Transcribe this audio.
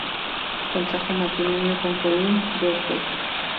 Contrajo matrimonio con Colin Broadway.